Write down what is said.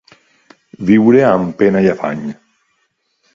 Viure amb pena i afany.